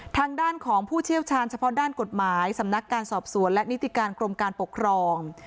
ทางด้านของผู้เชี่ยวชาญเฉพาะด้านกฎหมายสำนักการสอบสวนและนิติการกรมการปกครอง